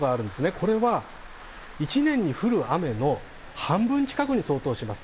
これは１年に降る雨の半分近くに相当します。